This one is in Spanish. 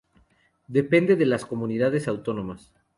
Dependen de las Comunidades Autónomas.